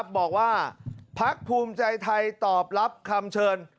บอกว่าพักภูมิใจไทยตอบรับคำเชิญ